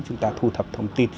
chúng ta thu thập thông tin